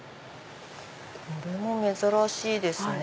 これも珍しいですね。